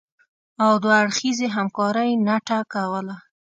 او دوه اړخیزې همکارۍ نټه کوله